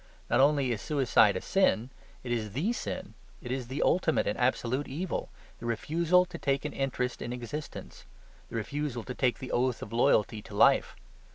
Not only is suicide a sin, it is the sin. It is the ultimate and absolute evil, the refusal to take an interest in existence; the refusal to take the oath of loyalty to life.